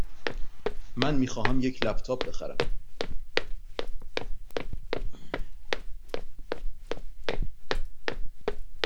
من می خواهم یک لپ تاپ بخرم.